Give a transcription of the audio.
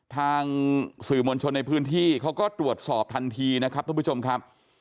ทางสื่อมวลชนในพื้นที่เขาก็ตรวจสอบทันทีนะครับทุกผู้ชมครับ